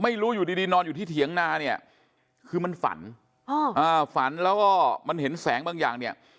อยู่ดีนอนอยู่ที่เถียงนาเนี่ยคือมันฝันฝันแล้วก็มันเห็นแสงบางอย่างเนี่ย